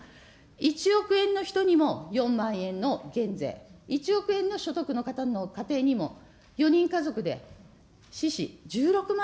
１億円の人にも４万円の減税、１億円の所得の方の家庭にも、４人家族でしし１６万